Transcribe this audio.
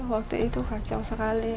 waktu itu kacau sekali